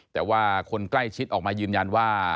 แต่ว่าคนใกล้ชิดออกมายืนยันว่า